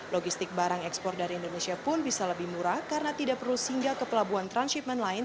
logistik barang ekspor dari indonesia pun bisa lebih murah karena tidak perlu singgah ke pelabuhan transhipment lain